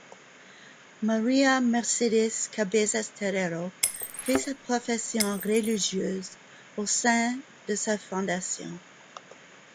Maria Mercedes Cabezas Terrero fait sa profession religieuse au sein de sa fondation.